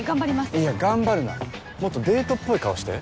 いや頑張るなもっとデートっぽい顔して。